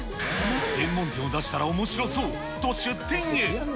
専門店を出したらおもしろそうと、出店へ。